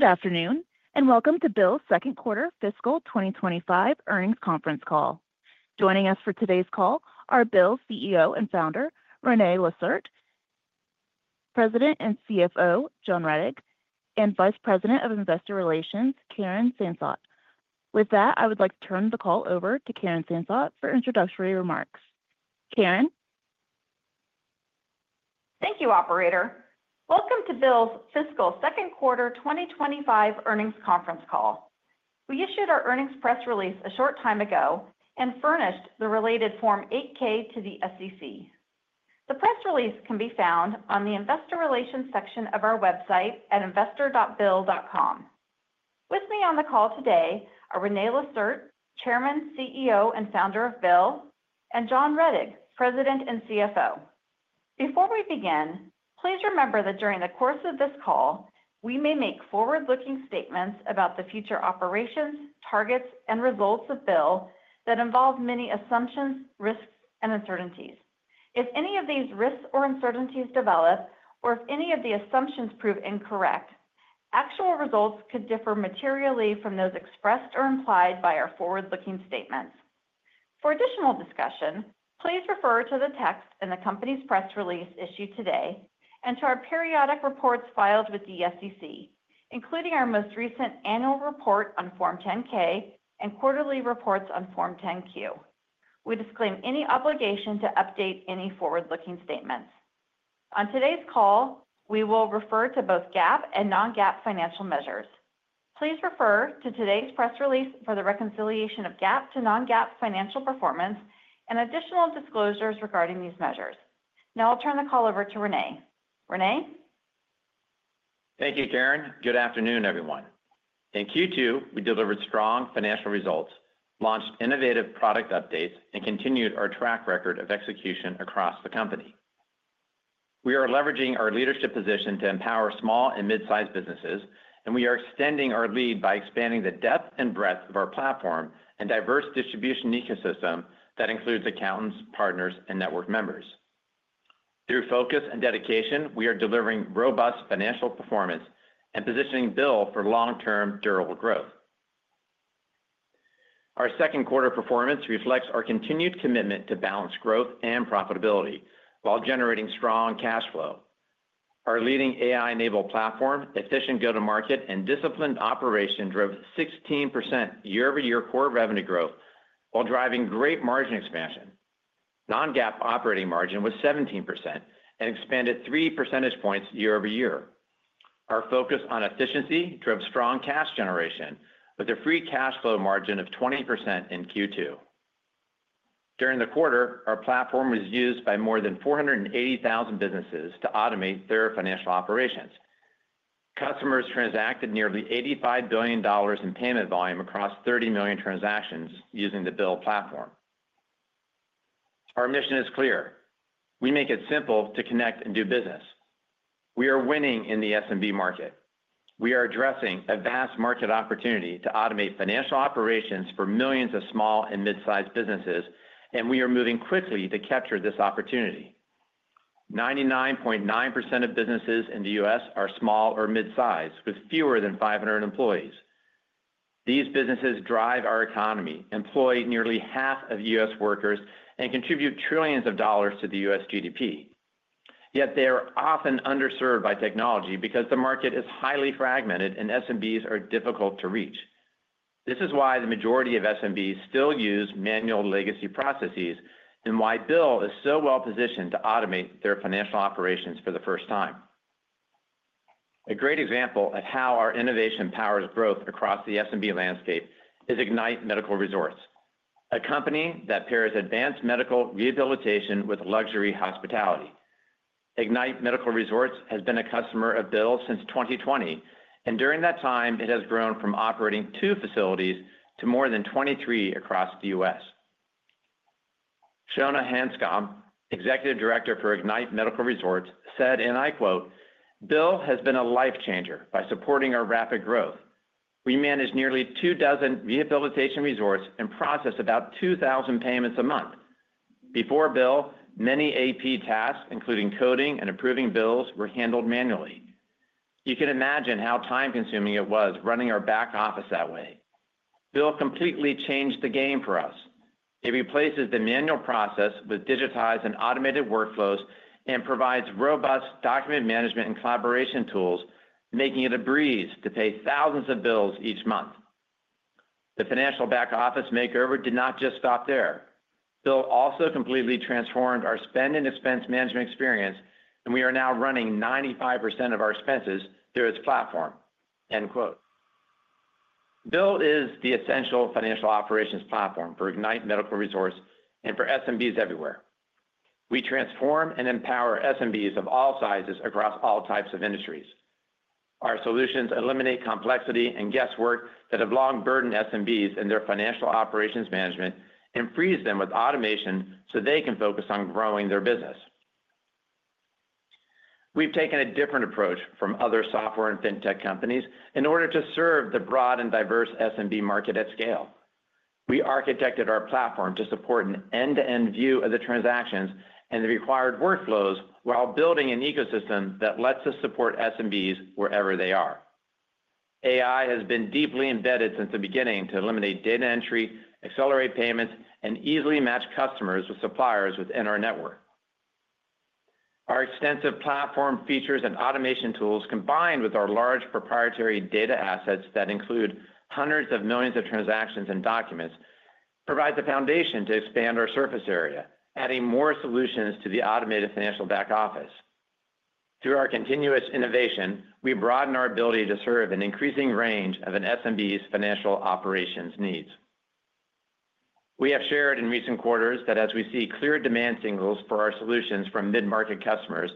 Good afternoon and welcome to BILL's Second Quarter Fiscal 2025 Earnings Conference Call. Joining us for today's call are BILL's CEO and founder, René Lacerte, President and CFO, John Rettig, and Vice President of Investor Relations, Karen Sansot. With that, I would like to turn the call over to Karen Sansot for introductory remarks. Karen? Thank you, Operator. Welcome to BILL's Fiscal Second Quarter 2025 Earnings Conference Call. We issued our earnings press release a short time ago and furnished the related Form 8-K to the SEC. The press release can be found on the Investor Relations section of our website at investor.BILL.com. With me on the call today are René Lacerte, Chairman, CEO, and Founder of BILL, and John Rettig, President and CFO. Before we begin, please remember that during the course of this call, we may make forward-looking statements about the future operations, targets, and results of BILL that involve many assumptions, risks, and uncertainties. If any of these risks or uncertainties develop, or if any of the assumptions prove incorrect, actual results could differ materially from those expressed or implied by our forward-looking statements. For additional discussion, please refer to the text in the company's press release issued today and to our periodic reports filed with the SEC, including our most recent annual report on Form 10-K and quarterly reports on Form 10-Q. We disclaim any obligation to update any forward-looking statements. On today's call, we will refer to both GAAP and non-GAAP financial measures. Please refer to today's press release for the reconciliation of GAAP to non-GAAP financial performance and additional disclosures regarding these measures. Now I'll turn the call over to René. René? Thank you, Karen. Good afternoon, everyone. In Q2, we delivered strong financial results, launched innovative product updates, and continued our track record of execution across the company. We are leveraging our leadership position to empower small and mid-sized businesses, and we are extending our lead by expanding the depth and breadth of our platform and diverse distribution ecosystem that includes accountants, partners, and network members. Through focus and dedication, we are delivering robust financial performance and positioning BILL for long-term durable growth. Our second quarter performance reflects our continued commitment to balanced growth and profitability while generating strong cash flow. Our leading AI-enabled platform, efficient go-to-market, and disciplined operation drove 16% year-over-year core revenue growth while driving great margin expansion. Non-GAAP operating margin was 17% and expanded 3 percentage points year-over-year. Our focus on efficiency drove strong cash generation with a free cash flow margin of 20% in Q2. During the quarter, our platform was used by more than 480,000 businesses to automate their financial operations. Customers transacted nearly $85 billion in payment volume across 30 million transactions using the BILL platform. Our mission is clear. We make it simple to connect and do business. We are winning in the SMB market. We are addressing a vast market opportunity to automate financial operations for millions of small and mid-sized businesses, and we are moving quickly to capture this opportunity. 99.9% of businesses in the U.S. are small or mid-sized with fewer than 500 employees. These businesses drive our economy, employ nearly half of U.S. workers, and contribute trillions of dollars to the U.S. GDP. Yet they are often underserved by technology because the market is highly fragmented and SMBs are difficult to reach. This is why the majority of SMBs still use manual legacy processes and why BILL is so well positioned to automate their financial operations for the first time. A great example of how our innovation powers growth across the SMB landscape is Ignite Medical Resorts, a company that pairs advanced medical rehabilitation with luxury hospitality. Ignite Medical Resorts has been a customer of BILL since 2020, and during that time, it has grown from operating two facilities to more than 23 across the U.S. Shonna Hanscomb, Executive Director for Ignite Medical Resorts, said, and I quote, "BILL has been a life changer by supporting our rapid growth. We manage nearly two dozen rehabilitation resorts and process about 2,000 payments a month. Before BILL, many AP tasks, including coding and approving bills, were handled manually. You can imagine how time-consuming it was running our back office that way. BILL completely changed the game for us. It replaces the manual process with digitized and automated workflows and provides robust document management and collaboration tools, making it a breeze to pay thousands of bills each month. The financial back-office makeover did not just stop there. BILL also completely transformed our Spend & Expense management experience, and we are now running 95% of our expenses through its platform." BILL is the essential financial operations platform for Ignite Medical Resorts and for SMBs everywhere. We transform and empower SMBs of all sizes across all types of industries. Our solutions eliminate complexity and guesswork that have long burdened SMBs in their financial operations management and free them with automation so they can focus on growing their business. We've taken a different approach from other software and fintech companies in order to serve the broad and diverse SMB market at scale. We architected our platform to support an end-to-end view of the transactions and the required workflows while building an ecosystem that lets us support SMBs wherever they are. AI has been deeply embedded since the beginning to eliminate data entry, accelerate payments, and easily match customers with suppliers within our network. Our extensive platform features and automation tools, combined with our large proprietary data assets that include hundreds of millions of transactions and documents, provide the foundation to expand our surface area, adding more solutions to the automated financial back office. Through our continuous innovation, we broaden our ability to serve an increasing range of an SMB's financial operation's needs. We have shared in recent quarters that as we see clear demand signals for our solutions from mid-market customers,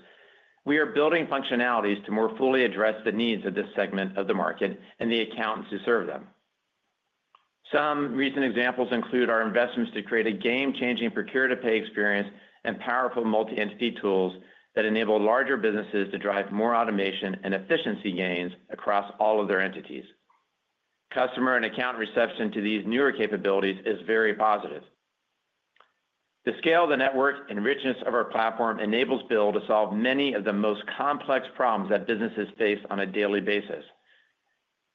we are building functionalities to more fully address the needs of this segment of the market and the accountants who serve them. Some recent examples include our investments to create a game-changing Procure-to-Pay experience and powerful Multi-Entity tools that enable larger businesses to drive more automation and efficiency gains across all of their entities. Customer and accountant reception to these newer capabilities is very positive. The scale of the network and richness of our platform enables BILL to solve many of the most complex problems that businesses face on a daily basis.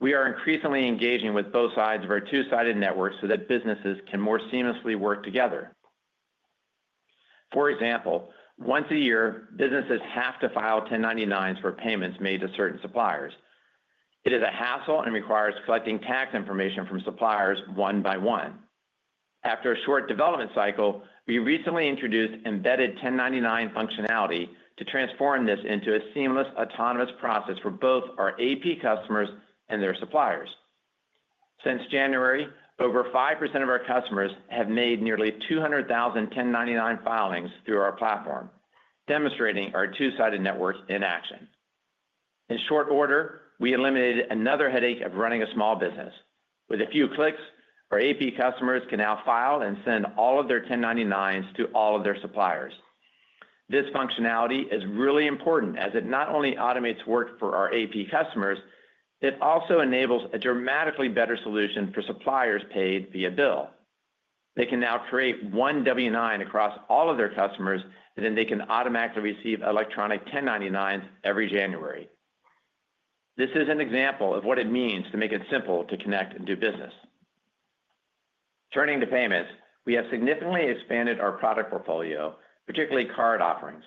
We are increasingly engaging with both sides of our two-sided network so that businesses can more seamlessly work together. For example, once a year, businesses have to file 1099s for payments made to certain suppliers. It is a hassle and requires collecting tax information from suppliers one by one. After a short development cycle, we recently introduced embedded 1099 functionality to transform this into a seamless autonomous process for both our AP customers and their suppliers. Since January, over 5% of our customers have made nearly 200,000 1099 filings through our platform, demonstrating our two-sided network in action. In short order, we eliminated another headache of running a small business. With a few clicks, our AP customers can now file and send all of their 1099s to all of their suppliers. This functionality is really important as it not only automates work for our AP customers, it also enables a dramatically better solution for suppliers paid via BILL. They can now create one W-9 across all of their customers, and then they can automatically receive electronic 1099s every January. This is an example of what it means to make it simple to connect and do business. Turning to payments, we have significantly expanded our product portfolio, particularly card offerings.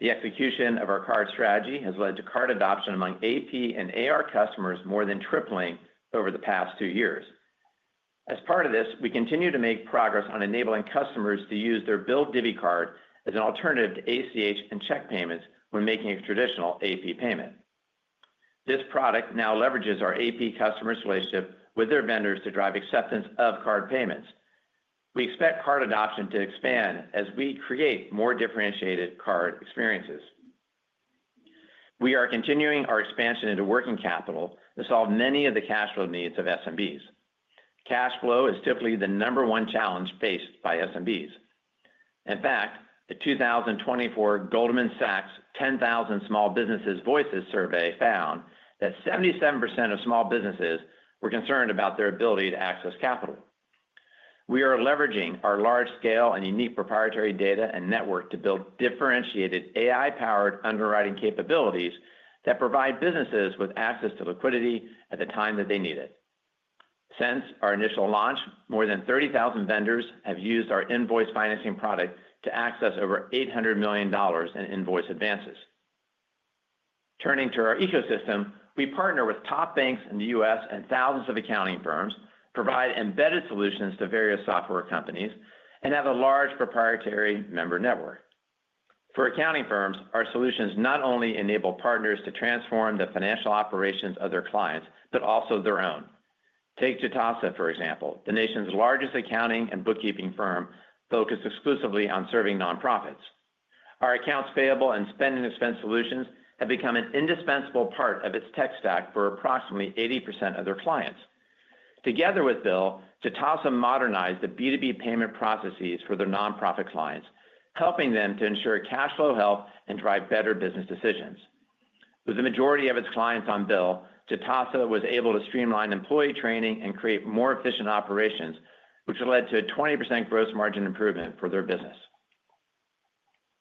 The execution of our card strategy has led to card adoption among AP and AR customers more than tripling over the past two years. As part of this, we continue to make progress on enabling customers to use their BILL Divvy Card as an alternative to ACH and check payments when making a traditional AP payment. This product now leverages our AP customers' relationship with their vendors to drive acceptance of card payments. We expect card adoption to expand as we create more differentiated card experiences. We are continuing our expansion into working capital to solve many of the cash flow needs of SMBs. Cash flow is typically the number one challenge faced by SMBs. In fact, the 2024 Goldman Sachs 10,000 Small Businesses Voices survey found that 77% of small businesses were concerned about their ability to access capital. We are leveraging our large-scale and unique proprietary data and network to build differentiated AI-powered underwriting capabilities that provide businesses with access to liquidity at the time that they need it. Since our initial launch, more than 30,000 vendors have used our Invoice Financing product to access over $800 million in invoice advances. Turning to our ecosystem, we partner with top banks in the U.S. and thousands of accounting firms, provide embedded solutions to various software companies, and have a large proprietary member network. For accounting firms, our solutions not only enable partners to transform the financial operations of their clients, but also their own. Take Jitasa, for example, the nation's largest accounting and bookkeeping firm focused exclusively on serving nonprofits. Our Accounts Payable and Spend & Expense solutions have become an indispensable part of its tech stack for approximately 80% of their clients. Together with BILL, Jitasa modernized the B2B payment processes for their nonprofit clients, helping them to ensure cash flow health and drive better business decisions. With the majority of its clients on BILL, Jitasa was able to streamline employee training and create more efficient operations, which led to a 20% gross margin improvement for their business.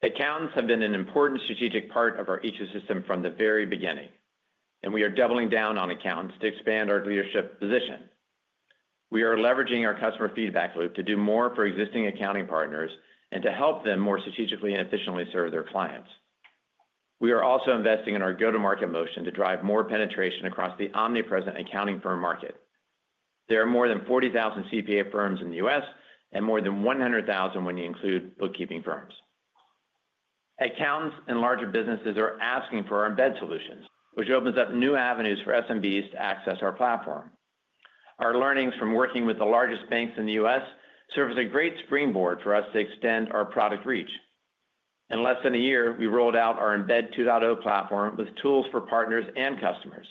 Accountants have been an important strategic part of our ecosystem from the very beginning, and we are doubling down on accountants to expand our leadership position. We are leveraging our customer feedback loop to do more for existing accounting partners and to help them more strategically and efficiently serve their clients. We are also investing in our go-to-market motion to drive more penetration across the omnipresent accounting firm market. There are more than 40,000 CPA firms in the U.S. and more than 100,000 when you include bookkeeping firms. Accountants and larger businesses are asking for our embedded solutions, which opens up new avenues for SMBs to access our platform. Our learnings from working with the largest banks in the U.S. serve as a great springboard for us to extend our product reach. In less than a year, we rolled out our Embedded 2.0 platform with tools for partners and customers.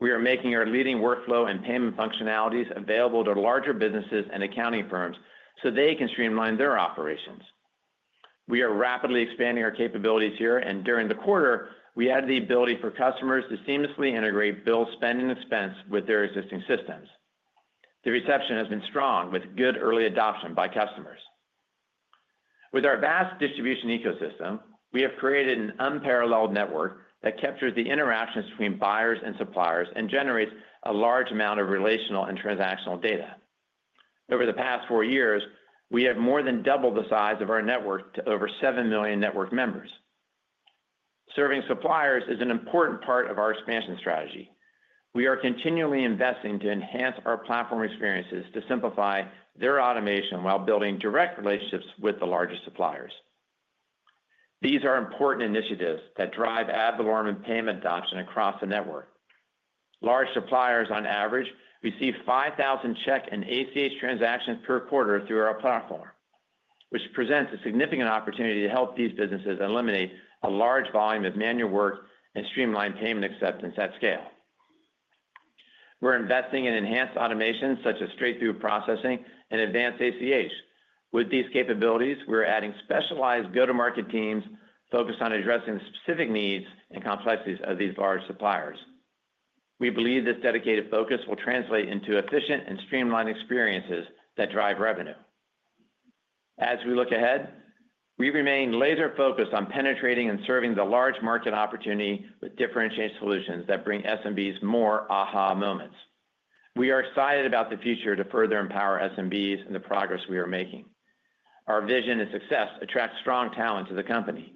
We are making our leading workflow and payment functionalities available to larger businesses and accounting firms so they can streamline their operations. We are rapidly expanding our capabilities here, and during the quarter, we added the ability for customers to seamlessly integrate BILL's Spend & Expense with their existing systems. The reception has been strong with good early adoption by customers. With our vast distribution ecosystem, we have created an unparalleled network that captures the interactions between buyers and suppliers and generates a large amount of relational and transactional data. Over the past four years, we have more than doubled the size of our network to over seven million network members. Serving suppliers is an important part of our expansion strategy. We are continually investing to enhance our platform experiences to simplify their automation while building direct relationships with the largest suppliers. These are important initiatives that drive ad valorem and payment adoption across the network. Large suppliers, on average, receive 5,000 check and ACH transactions per quarter through our platform, which presents a significant opportunity to help these businesses eliminate a large volume of manual work and streamline payment acceptance at scale. We're investing in enhanced automation such as straight-through processing and Advanced ACH. With these capabilities, we're adding specialized go-to-market teams focused on addressing the specific needs and complexities of these large suppliers. We believe this dedicated focus will translate into efficient and streamlined experiences that drive revenue. As we look ahead, we remain laser-focused on penetrating and serving the large market opportunity with differentiated solutions that bring SMBs more aha moments. We are excited about the future to further empower SMBs and the progress we are making. Our vision and success attract strong talent to the company.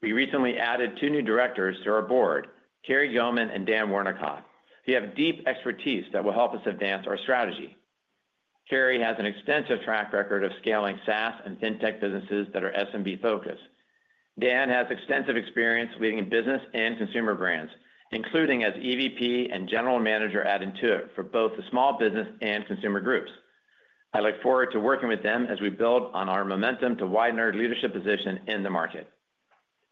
We recently added two new directors to our board, Keri Gohman and Dan Wernikoff, who have deep expertise that will help us advance our strategy. Keri has an extensive track record of scaling SaaS and fintech businesses that are SMB-focused. Dan has extensive experience leading business and consumer brands, including as EVP and General Manager at Intuit for both the small business and consumer groups. I look forward to working with them as we build on our momentum to widen our leadership position in the market.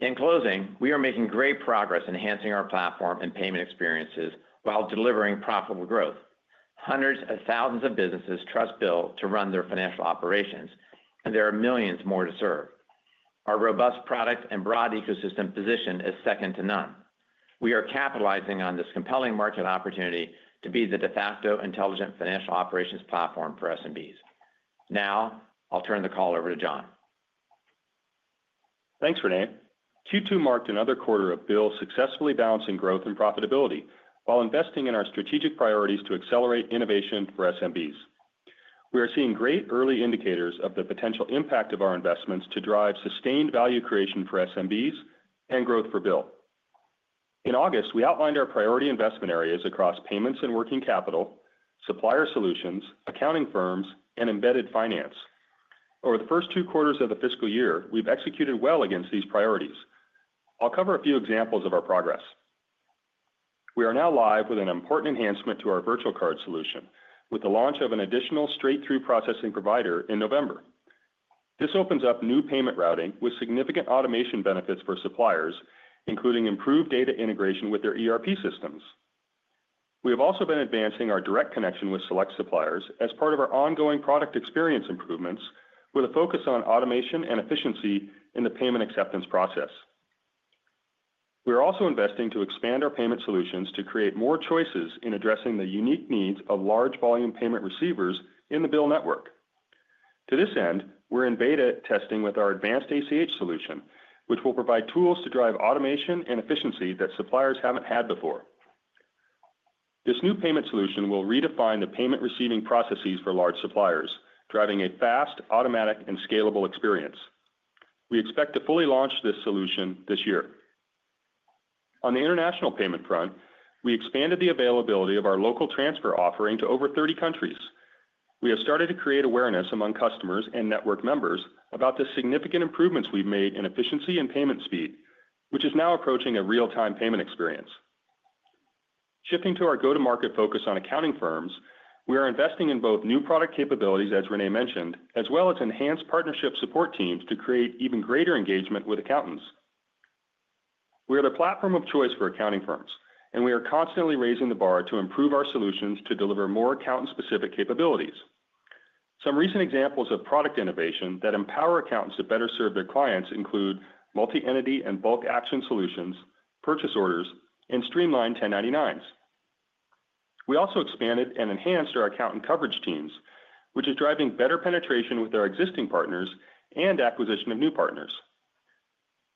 In closing, we are making great progress enhancing our platform and payment experiences while delivering profitable growth. Hundreds of thousands of businesses trust BILL to run their financial operations, and there are millions more to serve. Our robust product and broad ecosystem position is second to none. We are capitalizing on this compelling market opportunity to be the de facto intelligent financial operations platform for SMBs. Now, I'll turn the call over to John. Thanks, René. Q2 marked another quarter of BILL successfully balancing growth and profitability while investing in our strategic priorities to accelerate innovation for SMBs. We are seeing great early indicators of the potential impact of our investments to drive sustained value creation for SMBs and growth for BILL. In August, we outlined our priority investment areas across payments and working capital, supplier solutions, accounting firms, and embedded finance. Over the first two quarters of the fiscal year, we've executed well against these priorities. I'll cover a few examples of our progress. We are now live with an important enhancement to our virtual card solution with the launch of an additional straight-through processing provider in November. This opens up new payment routing with significant automation benefits for suppliers, including improved data integration with their ERP systems. We have also been advancing our direct connection with select suppliers as part of our ongoing product experience improvements with a focus on automation and efficiency in the payment acceptance process. We are also investing to expand our payment solutions to create more choices in addressing the unique needs of large volume payment receivers in the BILL network. To this end, we're in beta testing with our Advanced ACH solution, which will provide tools to drive automation and efficiency that suppliers haven't had before. This new payment solution will redefine the payment receiving processes for large suppliers, driving a fast, automatic, and scalable experience. We expect to fully launch this solution this year. On the international payment front, we expanded the availability of our Local Transfer offering to over 30 countries. We have started to create awareness among customers and network members about the significant improvements we've made in efficiency and payment speed, which is now approaching a real-time payment experience. Shifting to our go-to-market focus on accounting firms, we are investing in both new product capabilities, as René mentioned, as well as enhanced partnership support teams to create even greater engagement with accountants. We are the platform of choice for accounting firms, and we are constantly raising the bar to improve our solutions to deliver more accountant-specific capabilities. Some recent examples of product innovation that empower accountants to better serve their clients include Multi-Entity and Bulk Action solutions, Purchase Orders, and streamlined 1099s. We also expanded and enhanced our accountant coverage teams, which is driving better penetration with our existing partners and acquisition of new partners.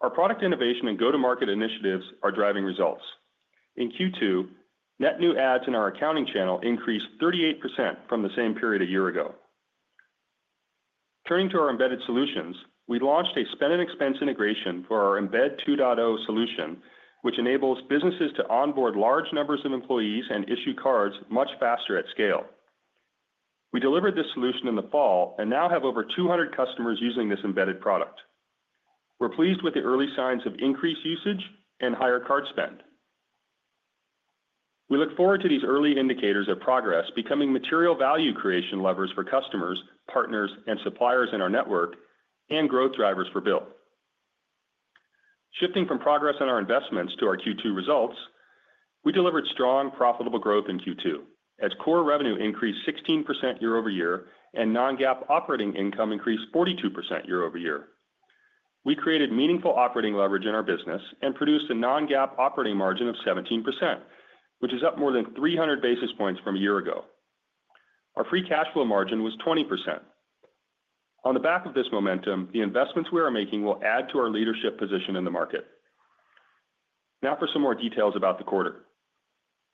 Our product innovation and go-to-market initiatives are driving results. In Q2, net new adds in our accounting channel increased 38% from the same period a year ago. Turning to our embedded solutions, we launched a Spend & Expense integration for our Embedded 2.0 solution, which enables businesses to onboard large numbers of employees and issue cards much faster at scale. We delivered this solution in the fall and now have over 200 customers using this embedded product. We're pleased with the early signs of increased usage and higher card spend. We look forward to these early indicators of progress becoming material value creation levers for customers, partners, and suppliers in our network and growth drivers for BILL. Shifting from progress on our investments to our Q2 results, we delivered strong, profitable growth in Q2 as core revenue increased 16% year-over-year and non-GAAP operating income increased 42% year-over-year. We created meaningful operating leverage in our business and produced a non-GAAP operating margin of 17%, which is up more than 300 basis points from a year ago. Our free cash flow margin was 20%. On the back of this momentum, the investments we are making will add to our leadership position in the market. Now for some more details about the quarter.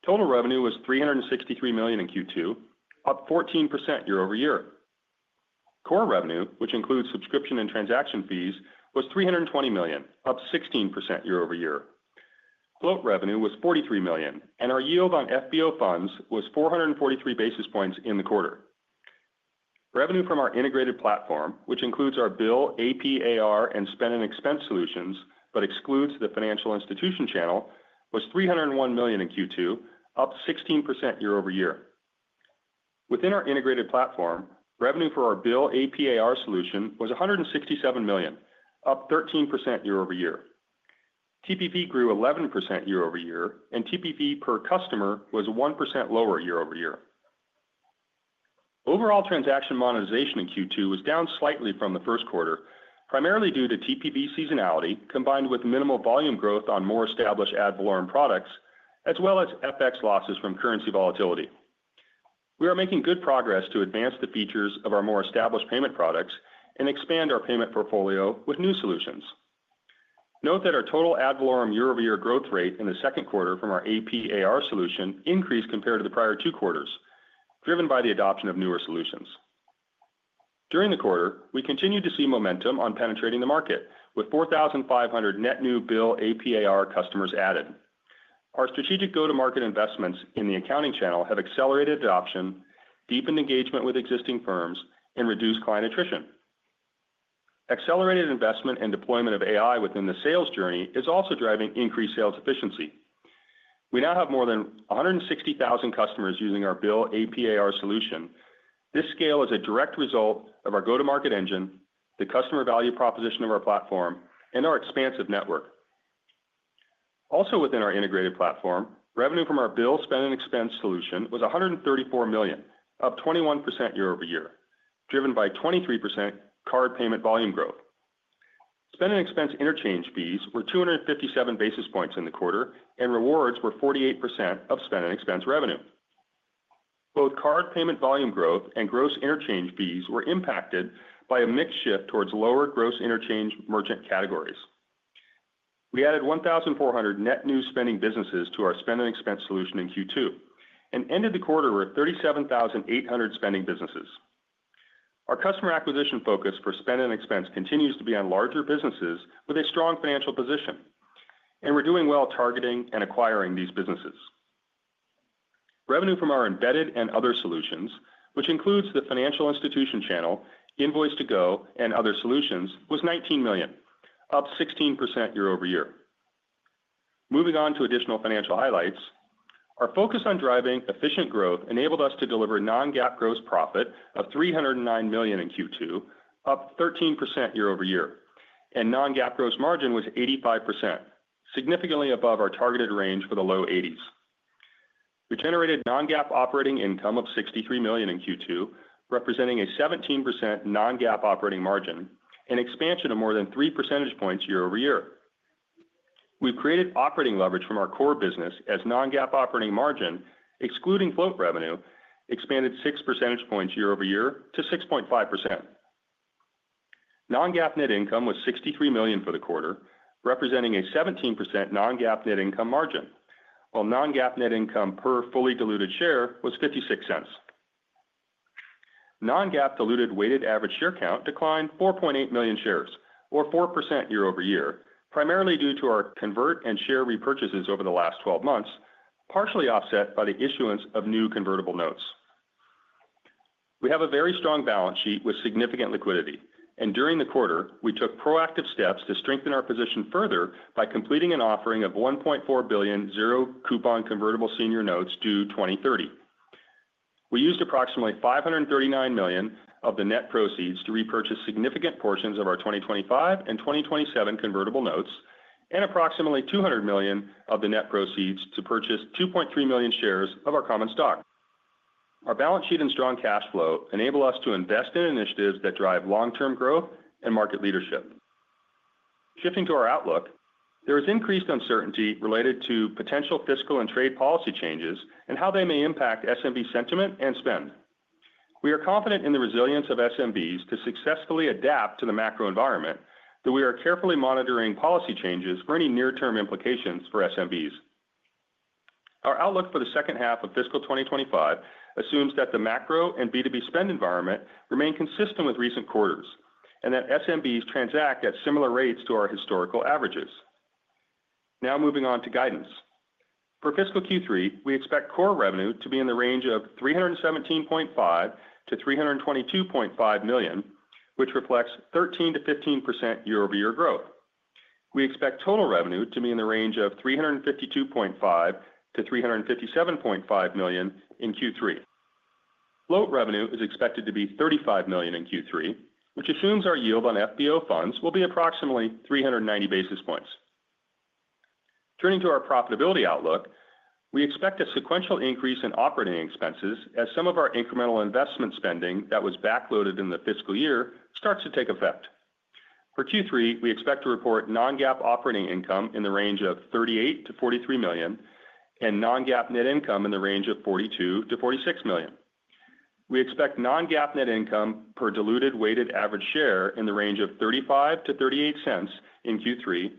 Total revenue was $363 million in Q2, up 14% year-over-year. Core revenue, which includes subscription and transaction fees, was $320 million, up 16% year-over-year. Float revenue was $43 million, and our yield on FBO funds was 443 basis points in the quarter. Revenue from our integrated platform, which includes our BILL AP/AR and Spend & Expense solutions, but excludes the financial institution channel, was $301 million in Q2, up 16% year-over-year. Within our integrated platform, revenue for our BILL AP/AR solution was $167 million, up 13% year-over-year. TPV grew 11% year-over-year, and TPV per customer was 1% lower year-over-year. Overall transaction monetization in Q2 was down slightly from the Q1, primarily due to TPV seasonality combined with minimal volume growth on more established ad valorem products, as well as FX losses from currency volatility. We are making good progress to advance the features of our more established payment products and expand our payment portfolio with new solutions. Note that our total ad valorem year-over-year growth rate in the second quarter from our AP/AR solution increased compared to the prior two quarters, driven by the adoption of newer solutions. During the quarter, we continued to see momentum on penetrating the market with 4,500 net new BILL AP/AR customers added. Our strategic go-to-market investments in the accounting channel have accelerated adoption, deepened engagement with existing firms, and reduced client attrition. Accelerated investment and deployment of AI within the sales journey is also driving increased sales efficiency. We now have more than 160,000 customers using our BILL AP/AR solution. This scale is a direct result of our go-to-market engine, the customer value proposition of our platform, and our expansive network. Also, within our integrated platform, revenue from our BILL Spend & Expense solution was $134 million, up 21% year-over-year, driven by 23% card payment volume growth. Spend & Expense interchange fees were 257 basis points in the quarter, and Rewards were 48% of Spend & Expense revenue. Both card payment volume growth and gross interchange fees were impacted by a mixed shift towards lower gross interchange merchant categories. We added 1,400 net new spending businesses to our Spend & Expense solution in Q2 and ended the quarter with 37,800 spending businesses. Our customer acquisition focus for Spend & Expense continues to be on larger businesses with a strong financial position, and we're doing well targeting and acquiring these businesses. Revenue from our embedded and other solutions, which includes the financial institution channel, Invoice2go, and other solutions, was $19 million, up 16% year-over-year. Moving on to additional financial highlights, our focus on driving efficient growth enabled us to deliver non-GAAP gross profit of $309 million in Q2, up 13% year-over-year, and non-GAAP gross margin was 85%, significantly above our targeted range for the low 80s. We generated non-GAAP operating income of $63 million in Q2, representing a 17% non-GAAP operating margin and expansion of more than 3 percentage points year-over-year. We've created operating leverage from our core business as non-GAAP operating margin, excluding float revenue, expanded 6 percentage points year-over-year to 6.5%. Non-GAAP net income was $63 million for the quarter, representing a 17% non-GAAP net income margin, while non-GAAP net income per fully diluted share was $0.56. Non-GAAP diluted weighted average share count declined 4.8 million shares, or 4% year-over-year, primarily due to our converts and share repurchases over the last 12 months, partially offset by the issuance of new convertible notes. We have a very strong balance sheet with significant liquidity, and during the quarter, we took proactive steps to strengthen our position further by completing an offering of $1.4 billion Zero-Coupon Convertible Senior Notes due 2030. We used approximately $539 million of the net proceeds to repurchase significant portions of our 2025 and 2027 convertible notes and approximately $200 million of the net proceeds to purchase 2.3 million shares of our common stock. Our balance sheet and strong cash flow enable us to invest in initiatives that drive long-term growth and market leadership. Shifting to our outlook, there is increased uncertainty related to potential fiscal and trade policy changes and how they may impact SMB sentiment and spend. We are confident in the resilience of SMBs to successfully adapt to the macro environment, though we are carefully monitoring policy changes for any near-term implications for SMBs. Our outlook for the second half of fiscal 2025 assumes that the macro and B2B spend environment remain consistent with recent quarters and that SMBs transact at similar rates to our historical averages. Now moving on to guidance. For fiscal Q3, we expect core revenue to be in the range of $317.5 million-$322.5 million, which reflects 13%-15% year-over-year growth. We expect total revenue to be in the range of $352.5 million-$357.5 million in Q3. Float revenue is expected to be $35 million in Q3, which assumes our yield on FBO funds will be approximately 390 basis points. Turning to our profitability outlook, we expect a sequential increase in operating expenses as some of our incremental investment spending that was backloaded in the fiscal year starts to take effect. For Q3, we expect to report non-GAAP operating income in the range of $38 million-$43 million and non-GAAP net income in the range of $42 million-$46 million. We expect non-GAAP net income per diluted weighted average share in the range of $0.35-$0.38 in Q3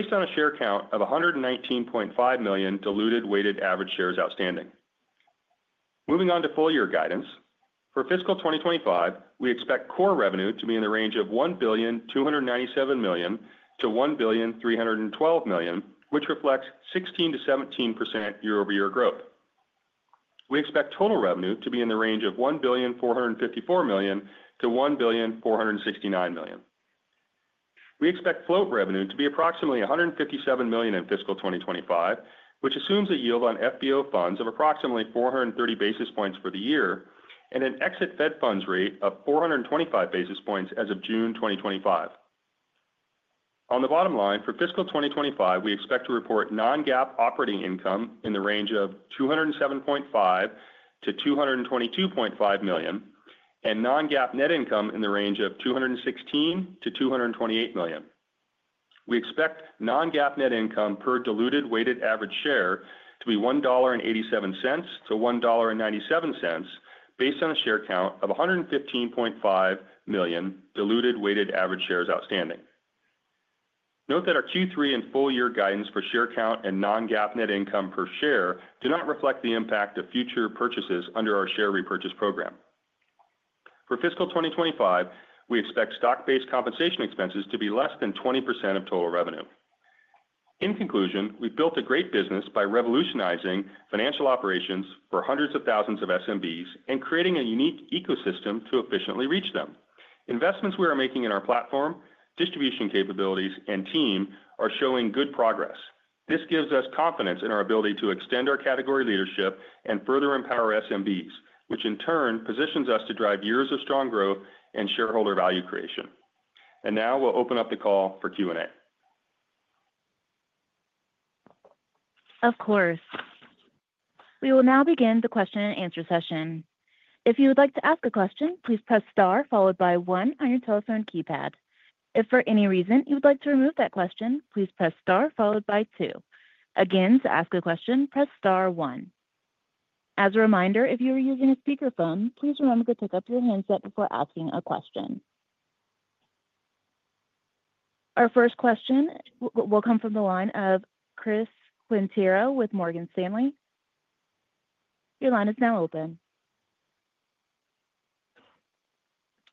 based on a share count of 119.5 million diluted weighted average shares outstanding. Moving on to full-year guidance. For fiscal 2025, we expect core revenue to be in the range of $1,297,000-$1,312,000, which reflects 16%-17% year-over-year growth. We expect total revenue to be in the range of $1,454,000-$1,469,000. We expect float revenue to be approximately $157 million in fiscal 2025, which assumes a yield on FBO funds of approximately 430 basis points for the year and an exit Fed funds rate of 425 basis points as of June 2025. On the bottom line, for fiscal 2025, we expect to report non-GAAP operating income in the range of $207.5 million-$222.5 million and non-GAAP net income in the range of $216 million-$228 million. We expect non-GAAP net income per diluted weighted average share to be $1.87-$1.97 based on a share count of 115.5 million diluted weighted average shares outstanding. Note that our Q3 and full-year guidance for share count and non-GAAP net income per share do not reflect the impact of future purchases under our share repurchase program. For fiscal 2025, we expect stock-based compensation expenses to be less than 20% of total revenue. In conclusion, we've built a great business by revolutionizing financial operations for hundreds of thousands of SMBs and creating a unique ecosystem to efficiently reach them. Investments we are making in our platform, distribution capabilities, and team are showing good progress. This gives us confidence in our ability to extend our category leadership and further empower SMBs, which in turn positions us to drive years of strong growth and shareholder value creation. And now we'll open up the call for Q&A. Of course. We will now begin the question-and-answer session. If you would like to ask a question, please press star followed by one on your telephone keypad. If for any reason you would like to remove that question, please press star followed by two. Again, to ask a question, press star one. As a reminder, if you are using a speakerphone, please remember to pick up your handset before asking a question. Our first question will come from the line of Chris Quintero with Morgan Stanley. Your line is now open.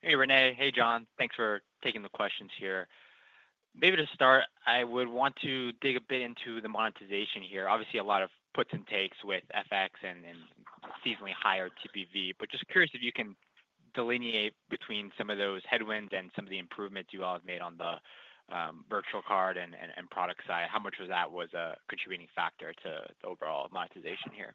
Hey, René. Hey, John. Thanks for taking the questions here. Maybe to start, I would want to dig a bit into the monetization here. Obviously, a lot of puts and takes with FX and seasonally higher TPV, but just curious if you can delineate between some of those headwinds and some of the improvements you all have made on the Virtual Card and product side. How much of that was a contributing factor to the overall monetization here?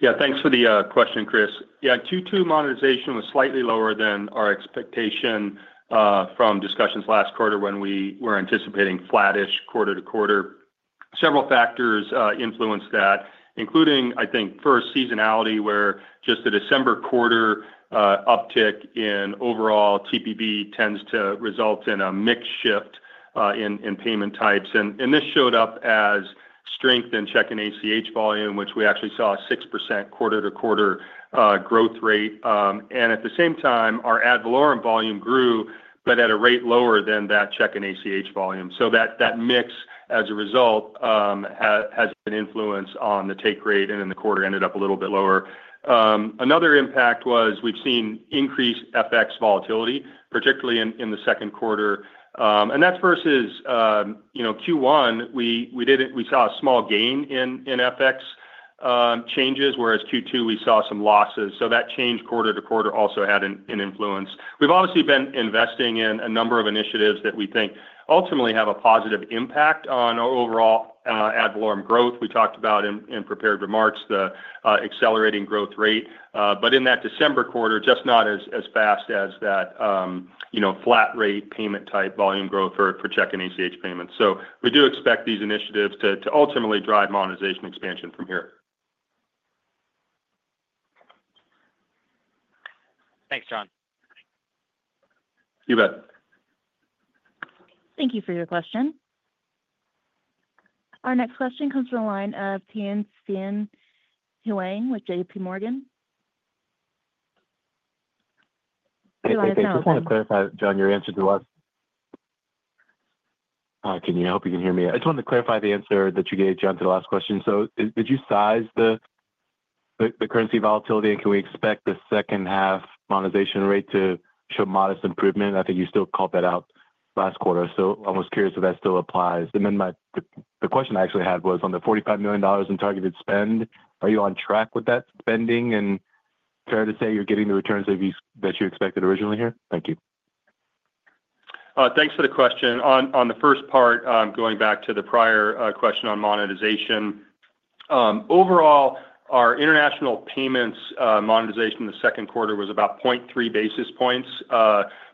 Yeah, thanks for the question, Chris. Yeah, Q2 monetization was slightly lower than our expectation from discussions last quarter when we were anticipating flattish quarter to quarter. Several factors influenced that, including, I think, first seasonality where just the December quarter uptick in overall TPV tends to result in a mixed shift in payment types. And this showed up as strength in check and ACH volume, which we actually saw a 6% quarter to quarter growth rate. And at the same time, our ad valorem volume grew, but at a rate lower than that check and ACH volume. So that mix, as a result, has been influenced on the take rate, and then the quarter ended up a little bit lower. Another impact was we've seen increased FX volatility, particularly in the second quarter. And that's versus Q1, we saw a small gain in FX changes, whereas Q2 we saw some losses. So that change quarter to quarter also had an influence. We've obviously been investing in a number of initiatives that we think ultimately have a positive impact on our overall ad valorem growth. We talked about in prepared remarks the accelerating growth rate, but in that December quarter, just not as fast as that flat rate payment type volume growth for check and ACH Payments. So we do expect these initiatives to ultimately drive monetization expansion from here. Thanks, John. You bet. Thank you for your question. Our next question comes from the line of Tien-Tsin Huang with JPMorgan. Hey, thanks. I just want to clarify, John, your answer to us. Can you hear me? I hope you can hear me. I just wanted to clarify the answer that you gave, John, to the last question. So did you size the currency volatility? Can we expect the second half monetization rate to show modest improvement? I think you still called that out last quarter, so I was curious if that still applies. And then the question I actually had was on the $45 million in targeted spend, are you on track with that spending? And fair to say you're getting the returns that you expected originally here? Thank you. Thanks for the question. On the first part, going back to the prior question on monetization, overall, our international payments monetization in the second quarter was about 0.3 basis points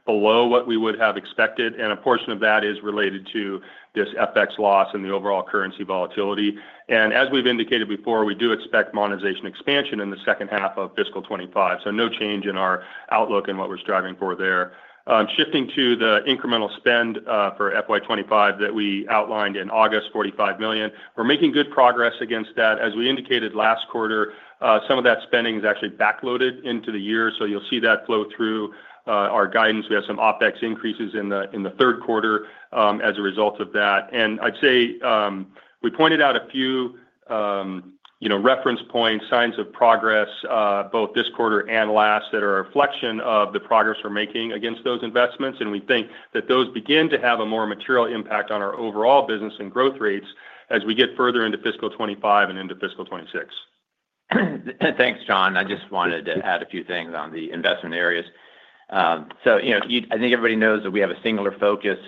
below what we would have expected. And a portion of that is related to this FX loss and the overall currency volatility. And as we've indicated before, we do expect monetization expansion in the second half of fiscal 2025. So, no change in our outlook and what we're striving for there. Shifting to the incremental spend for FY25 that we outlined in August, $45 million. We're making good progress against that. As we indicated last quarter, some of that spending is actually backloaded into the year. So you'll see that flow through our guidance. We have some OpEx increases in the Q3 as a result of that. And I'd say we pointed out a few reference points, signs of progress, both this quarter and last, that are a reflection of the progress we're making against those investments. And we think that those begin to have a more material impact on our overall business and growth rates as we get further into fiscal 2025 and into fiscal 2026. Thanks, John. I just wanted to add a few things on the investment areas. I think everybody knows that we have a singular focus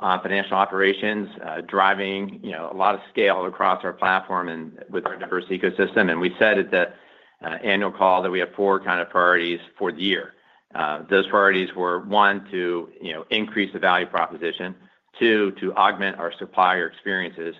on financial operations driving a lot of scale across our platform and with our diverse ecosystem. And we said at the annual call that we have four kind of priorities for the year. Those priorities were one, to increase the value proposition, two, to augment our supplier experiences,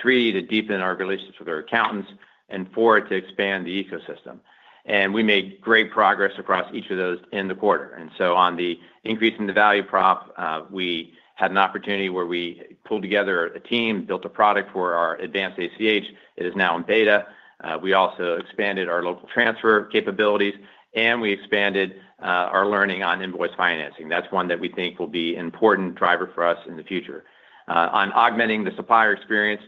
three, to deepen our relationships with our accountants, and four, to expand the ecosystem. And we made great progress across each of those in the quarter. And so on the increase in the value prop, we had an opportunity where we pulled together a team, built a product for our Advanced ACH. It is now in beta. We also expanded our Local Transfer capabilities, and we expanded our learning on invoice financing. That's one that we think will be an important driver for us in the future. On augmenting the supplier experience,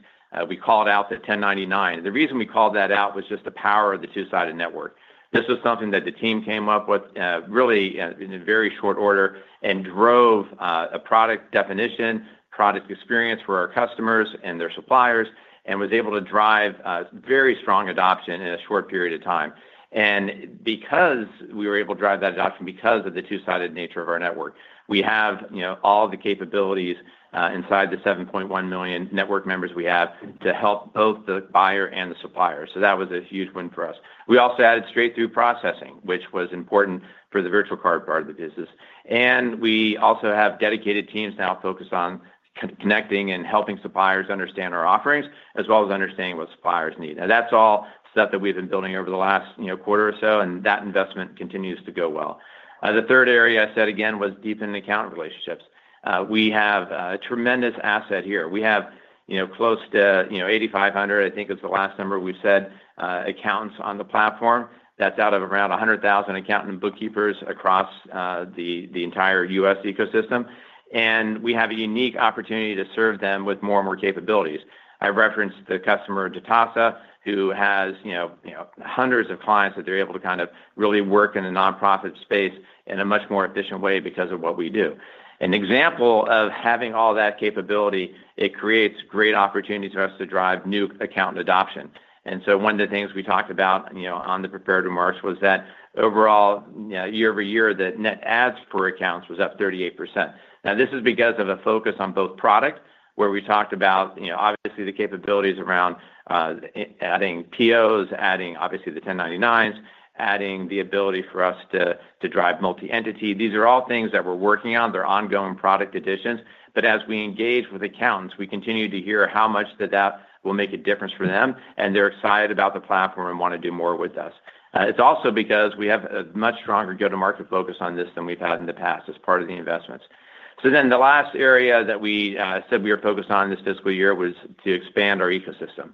we called out the 1099. The reason we called that out was just the power of the two-sided network. This was something that the team came up with really in a very short order and drove a product definition, product experience for our customers and their suppliers, and was able to drive very strong adoption in a short period of time, and because we were able to drive that adoption because of the two-sided nature of our network, we have all the capabilities inside the 7.1 million network members we have to help both the buyer and the supplier, so that was a huge win for us. We also added straight-through processing, which was important for the Virtual Card part of the business. We also have dedicated teams now focused on connecting and helping suppliers understand our offerings as well as understanding what suppliers need. That's all stuff that we've been building over the last quarter or so, and that investment continues to go well. The third area I said again was deepen accountant relationships. We have a tremendous asset here. We have close to 8,500, I think is the last number we've said, accounts on the platform. That's out of around 100,000 accountant bookkeepers across the entire U.S. ecosystem. We have a unique opportunity to serve them with more and more capabilities. I referenced the customer Jitasa, who has hundreds of clients that they're able to kind of really work in a nonprofit space in a much more efficient way because of what we do. An example of having all that capability. It creates great opportunities for us to drive new account adoption, and so one of the things we talked about on the prepared remarks was that overall, year-over-year, the net adds for accounts was up 38%. Now, this is because of a focus on both product, where we talked about, obviously, the capabilities around adding POs, adding, obviously, the 1099s, adding the ability for us to drive Multi-Entity. These are all things that we're working on. They're ongoing product additions, but as we engage with accountants, we continue to hear how much that will make a difference for them, and they're excited about the platform and want to do more with us. It's also because we have a much stronger go-to-market focus on this than we've had in the past as part of the investments. So then the last area that we said we were focused on this fiscal year was to expand our ecosystem.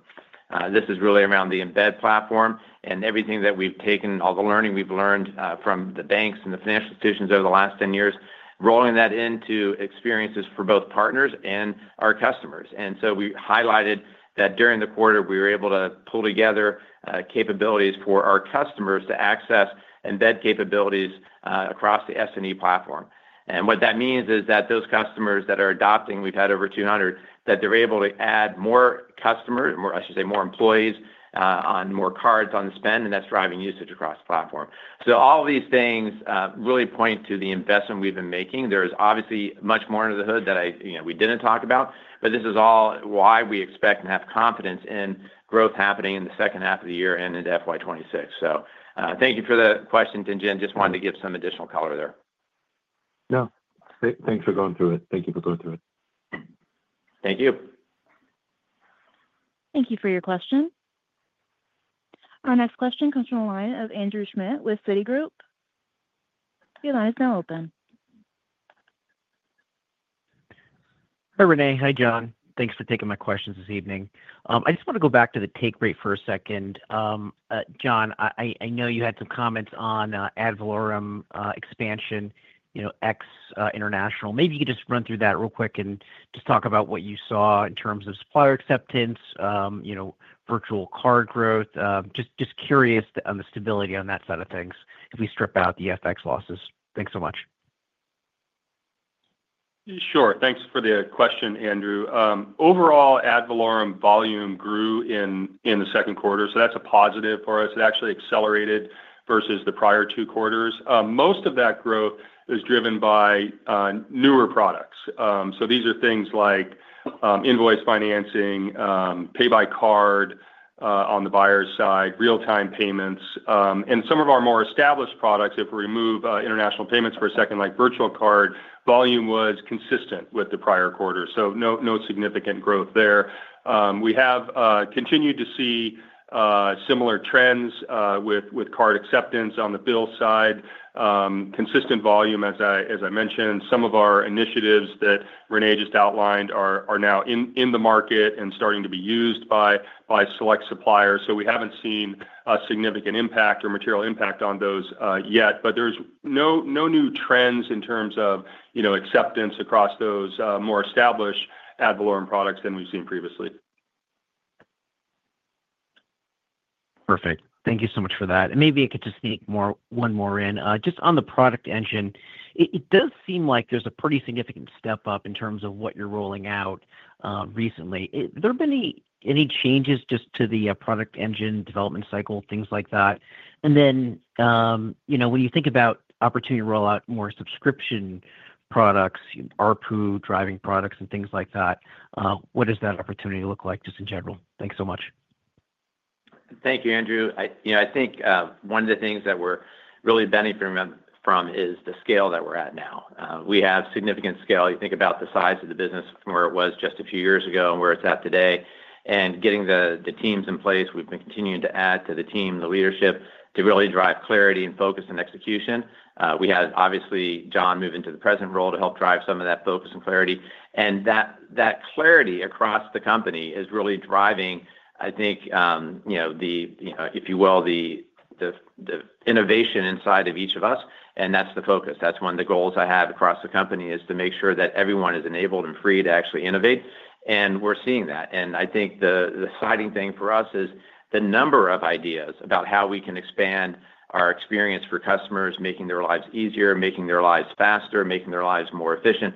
This is really around the embed platform and everything that we've taken, all the learning we've learned from the banks and the financial institutions over the last 10 years, rolling that into experiences for both partners and our customers. We highlighted that during the quarter, we were able to pull together capabilities for our customers to access embed capabilities across the S&E platform. What that means is that those customers that are adopting, we've had over 200, that they're able to add more customers, or I should say more employees, on more cards on the spend, and that's driving usage across the platform. All of these things really point to the investment we've been making. There is obviously much more under the hood that we didn't talk about, but this is all why we expect and have confidence in growth happening in the second half of the year and into FY2026. So, thank you for the question, Tien-Tsin. Just wanted to give some additional color there. No. Thanks for going through it. Thank you for going through it. Thank you. Thank you for your question. Our next question comes from the line of Andrew Schmidt with Citigroup. Your line is now open. Hi, René. Hi, John. Thanks for taking my questions this evening. I just want to go back to the take rate for a second. John, I know you had some comments on ad valorem expansion, ex international. Maybe you could just run through that real quick and just talk about what you saw in terms of supplier acceptance, Virtual Card growth. Just curious on the stability on that side of things if we strip out the FX losses. Thanks so much. Sure. Thanks for the question, Andrew. Overall, ad valorem volume grew in the second quarter, so that's a positive for us. It actually accelerated versus the prior two quarters. Most of that growth is driven by newer products. So these are things like Pay By Card on the buyer's side, real-time payments, and some of our more established products, if we remove international payments for a second, like Virtual Card, volume was consistent with the prior quarter, so no significant growth there. We have continued to see similar trends with card acceptance on the BILL side, consistent volume, as I mentioned. Some of our initiatives that René just outlined are now in the market and starting to be used by select suppliers. So, we haven't seen a significant impact or material impact on those yet, but there's no new trends in terms of acceptance across those more established ad valorem products than we've seen previously. Perfect. Thank you so much for that. And maybe I could just sneak one more in. Just on the product engine, it does seem like there's a pretty significant step up in terms of what you're rolling out recently. Have there been any changes just to the product engine development cycle, things like that? And then when you think about opportunity rollout more subscription products, ARPU driving products, and things like that, what does that opportunity look like just in general? Thanks so much. Thank you, Andrew. I think one of the things that we're really benefiting from is the scale that we're at now. We have significant scale. You think about the size of the business from where it was just a few years ago and where it's at today, and getting the teams in place, we've been continuing to add to the team, the leadership, to really drive clarity and focus and execution. We had, obviously, John move into the president role to help drive some of that focus and clarity, and that clarity across the company is really driving, I think, if you will, the innovation inside of each of us. That's the focus. That's one of the goals I have across the company is to make sure that everyone is enabled and free to actually innovate, and we're seeing that. And I think the exciting thing for us is the number of ideas about how we can expand our experience for customers, making their lives easier, making their lives faster, making their lives more efficient.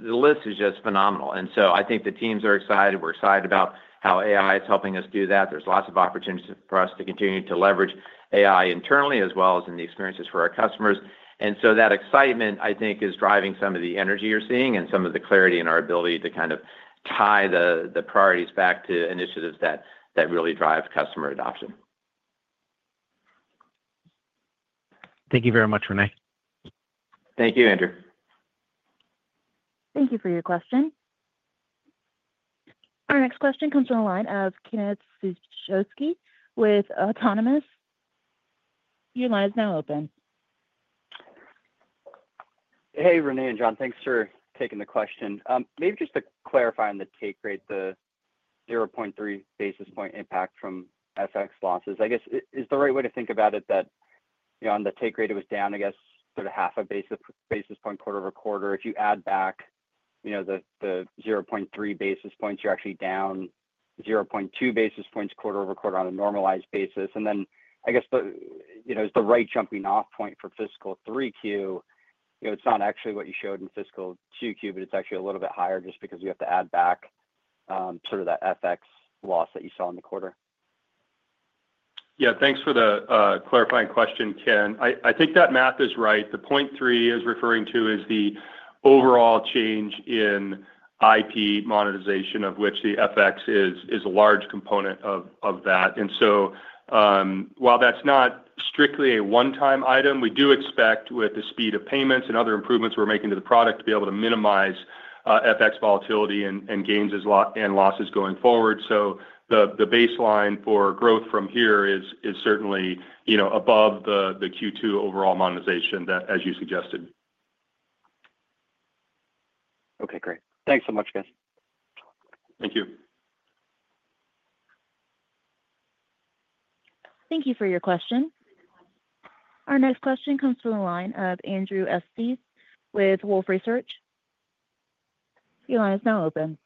The list is just phenomenal. And so I think the teams are excited. We're excited about how AI is helping us do that. There's lots of opportunities for us to continue to leverage AI internally as well as in the experiences for our customers. And so that excitement, I think, is driving some of the energy you're seeing and some of the clarity in our ability to kind of tie the priorities back to initiatives that really drive customer adoption. Thank you very much, René. Thank you, Andrew. Thank you for your question. Our next question comes from the line of Ken Suchoski with Autonomous Research. Your line is now open. Hey, René and John. Thanks for taking the question. Maybe just to clarify on the take rate, the 0.3 basis point impact from FX losses. I guess is the right way to think about it that on the take rate, it was down, I guess, sort of half a basis point, quarter-over-quarter. If you add back the 0.3 basis points, you're actually down 0.2 basis points, quarter-over-quarter on a normalized basis. And then I guess it's the right jumping-off point for fiscal 3Q. It's not actually what you showed in fiscal 2Q, but it's actually a little bit higher just because you have to add back sort of that FX loss that you saw in the quarter. Yeah. Thanks for the clarifying question, Ken. I think that math is right. The 0.3 is referring to is the overall change in IP monetization, of which the FX is a large component of that. And so while that's not strictly a one-time item, we do expect with the speed of payments and other improvements we're making to the product to be able to minimize FX volatility and gains and losses going forward. So the baseline for growth from here is certainly above the Q2 overall monetization, as you suggested. Okay. Great. Thanks so much, guys. Thank you. Thank you for your question. Our next question comes from the line of Darrin Peller with Wolfe Research. Your line is now open.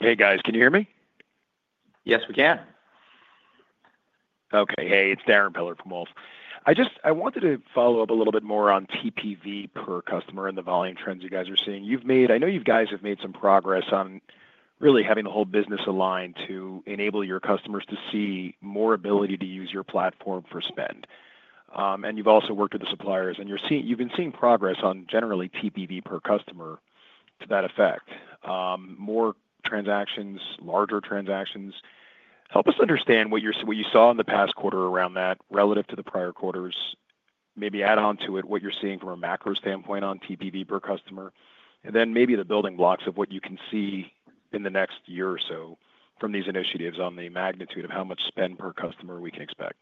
Hey, guys. Can you hear me? Yes, we can. Okay. Hey, it's Darrin Peller from Wolfe. I wanted to follow up a little bit more on TPV per customer and the volume trends you guys are seeing. I know you guys have made some progress on really having the whole business aligned to enable your customers to see more ability to use your platform for spend, and you've also worked with the suppliers, and you've been seeing progress on generally TPV per customer to that effect. More transactions, larger transactions. Help us understand what you saw in the past quarter around that relative to the prior quarters. Maybe add on to it what you're seeing from a macro standpoint on TPV per customer, and then maybe the building blocks of what you can see in the next year or so from these initiatives on the magnitude of how much spend per customer we can expect.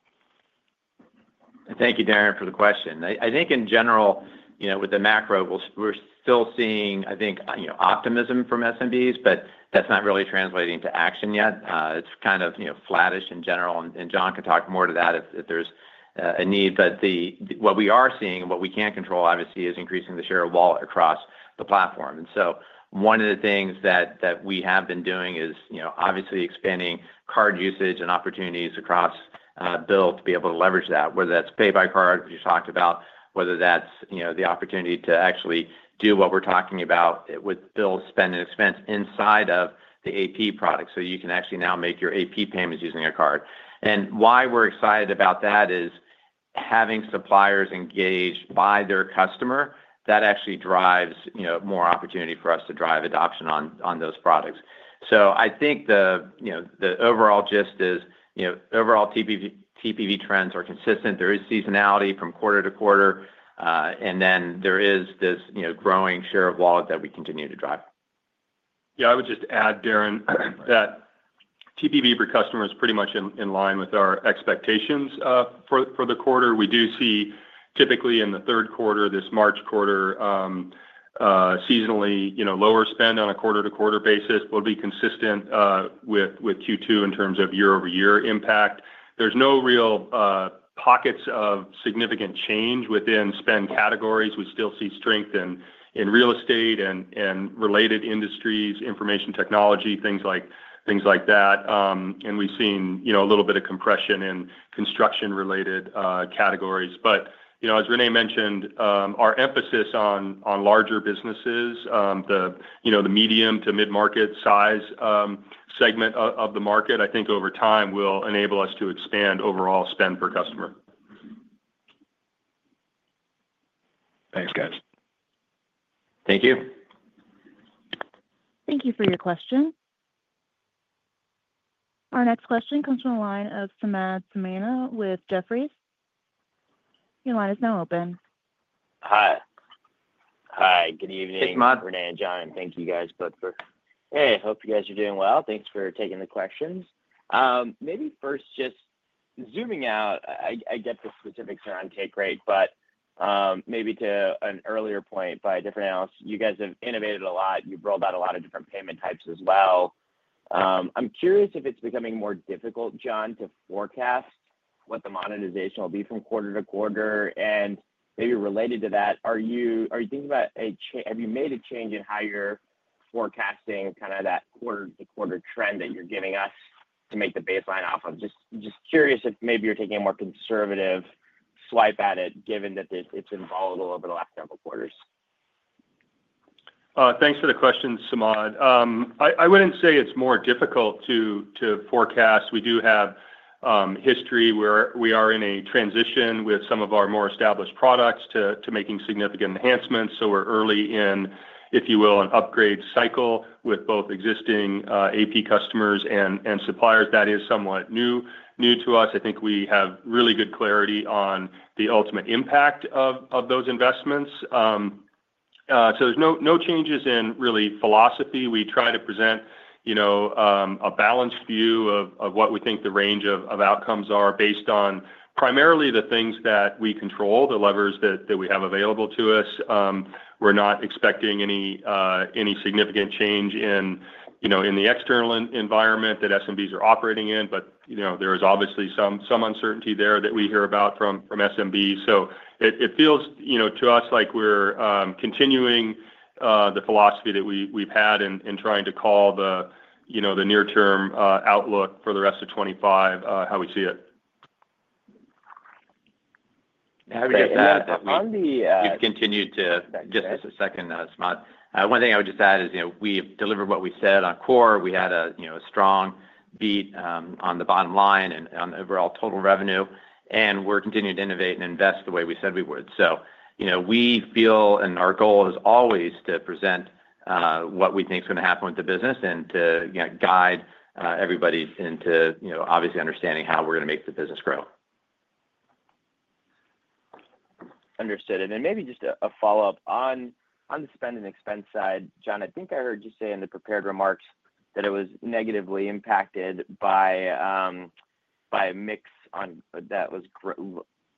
Thank you, Darrin, for the question. I think in general, with the macro, we're still seeing, I think, optimism from SMBs, but that's not really translating to action yet. It's kind of flattish in general, and John can talk more to that if there's a need, but what we are seeing and what we can't control, obviously, is increasing the share of wallet across the platform. And so, one of the things that we have been doing is obviously expanding card usage and opportunities across BILL to be able to leverage that, Pay By Card, which you talked about, whether that's the opportunity to actually do what we're talking about with BILL Spend & Expense inside of the AP product, so you can actually now make your AP payments using a card, and why we're excited about that is having suppliers engaged by their customer. That actually drives more opportunity for us to drive adoption on those products, so I think the overall gist is overall TPV trends are consistent. There is seasonality from quarter to quarter. There is this growing share of wallet that we continue to drive. Yeah. I would just add, Darrin, that TPV per customer is pretty much in line with our expectations for the quarter. We do see typically in the Q3, this March quarter, seasonally lower spend on a quarter-to-quarter basis will be consistent with Q2 in terms of year-over-year impact. There's no real pockets of significant change within spend categories. We still see strength in real estate and related industries, information technology, things like that. And we've seen a little bit of compression in construction-related categories. As René mentioned, our emphasis on larger businesses, the medium to mid-market size segment of the market, I think over time will enable us to expand overall spend per customer. Thanks, guys. Thank you. Thank you for your question. Our next question comes from the line of Samad Samana with Jefferies. Your line is now open. Hi. Good evening. Thanks, Matt. René and John. Thank you, guys, both for hey, I hope you guys are doing well. Thanks for taking the questions. Maybe first just zooming out, I get the specifics around take rate, but maybe to an earlier point by different analysts, you guys have innovated a lot. You've rolled out a lot of different payment types as well. I'm curious if it's becoming more difficult, John, to forecast what the monetization will be from quarter to quarter. And maybe related to that, are you thinking about a have you made a change in how you're forecasting kind of that quarter-to-quarter trend that you're giving us to make the baseline off of? Just curious if maybe you're taking a more conservative stab at it, given that it's been volatile over the last several quarters? Thanks for the question, Samad. I wouldn't say it's more difficult to forecast. We do have history where we are in a transition with some of our more established products to making significant enhancements. So we're early in, if you will, an upgrade cycle with both existing AP customers and suppliers. That is somewhat new to us. I think we have really good clarity on the ultimate impact of those investments. So there's no changes in our philosophy. We try to present a balanced view of what we think the range of outcomes are based on primarily the things that we control, the levers that we have available to us. We're not expecting any significant change in the external environment that SMBs are operating in, but there is obviously some uncertainty there that we hear about from SMB. So it feels to us like we're continuing the philosophy that we've had and trying to call the near-term outlook for the rest of 2025, how we see it. Happy to add that we've continued to just a second, Samad. One thing I would just add is we've delivered what we said on core. We had a strong beat on the bottom line and on the overall total revenue. And we're continuing to innovate and invest the way we said we would. So, we feel and our goal is always to present what we think is going to happen with the business and to guide everybody into, obviously, understanding how we're going to make the business grow. Understood. And then maybe just a follow-up on the Spend & Expense side, John. I think I heard you say in the prepared remarks that it was negatively impacted by a mix that was,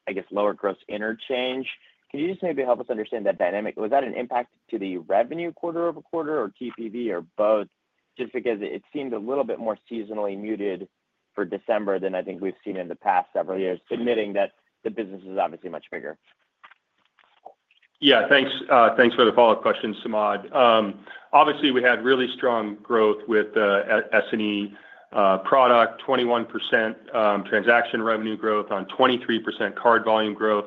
I guess, lower gross interchange. Can you just maybe help us understand that dynamic? Was that an impact to the revenue quarter-over-quarter or TPV or both? Just because it seemed a little bit more seasonally muted for December than I think we've seen in the past several years, admitting that the business is obviously much bigger. Yeah. Thanks for the follow-up question, Samad. Obviously, we had really strong growth with the S&E product, 21% transaction revenue growth on 23% card volume growth.